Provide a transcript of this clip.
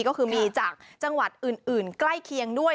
ก็คือมีจากจังหวัดอื่นใกล้เคียงด้วย